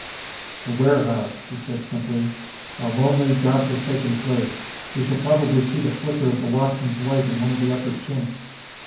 "The warehouse," he said simply. "A lonely, God forsaken place. We shall probably see the flicker of the watchman's light in one of the upper chinks."